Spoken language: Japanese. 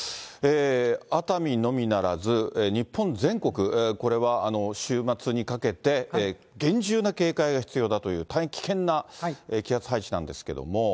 熱海のみならず、日本全国、これは週末にかけて厳重な警戒が必要だという、大変危険な気圧配置なんですけれども。